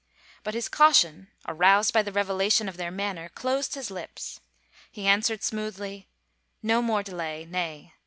But his caution, aroused by the revelation of their manner, closed his lips. He answered smoothly, " No more delay — nay.